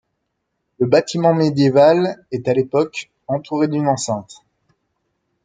Le bâtiment médiéval est, à l'époque, entouré d’une enceinte.